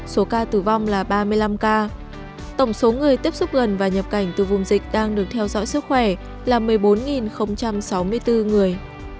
số ca tử vong là ba mươi năm ca tổng số người tiếp xúc gần và nhập cảnh từ vùng dịch đang được theo dõi sức khỏe là một mươi bốn sáu mươi bốn người